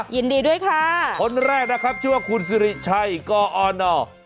ยินดีด้วยค่ะคนแรกนะครับชื่อว่าคุณสิริชัยกอน